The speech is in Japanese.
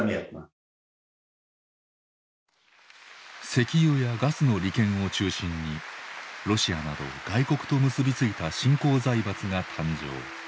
石油やガスの利権を中心にロシアなど外国と結び付いた新興財閥が誕生。